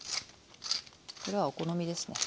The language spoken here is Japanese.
これはお好みですね。